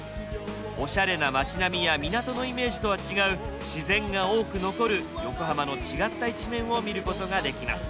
おしゃれな街並みや港のイメージとは違う自然が多く残る横浜の違った一面を見ることができます。